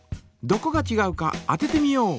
どこがちがうか当ててみよう！